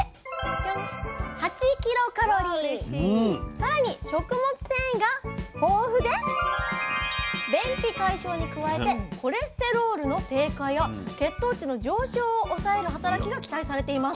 さらに食物繊維が豊富で便秘解消に加えてコレステロールの低下や血糖値の上昇を抑える働きが期待されています。